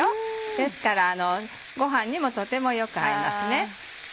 ですからご飯にもとてもよく合いますね。